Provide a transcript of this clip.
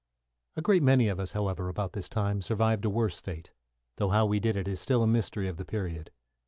A great many of us, however, about this time, survived a worse fate, though how we did it is still a mystery of the period.